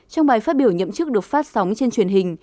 trong bài phát biểu nhậm chức được phát sóng trên truyền hình